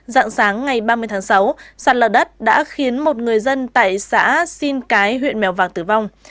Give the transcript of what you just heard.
dạng sáng ngày ba mươi tháng sáu sạt lở đất đã khiến một người dân tại xã xin cái huyện mèo vạc tử vong